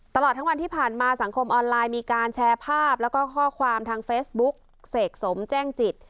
ตลอดทั้งวันที่ผ่านมาสังคมออนไลน์มีการแชร์ภาพแล้วก็ข้อความทางเฟซบุ๊กเสกสมแจ้งจิต